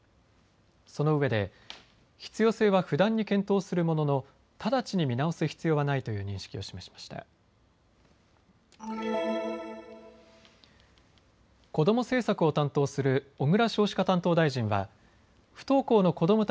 そのうえで必要性は不断に検討するものの直ちに見直す必要はないという認識を示しました。